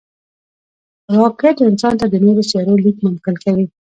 راکټ انسان ته د نورو سیارو لید ممکن کوي